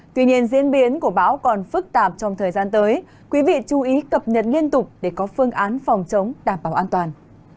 tuy nhiên diễn biến của bão còn phức tạp trong thời gian tới quý vị chú ý cập nhật liên tục để có phương án phòng chống đảm bảo an toàn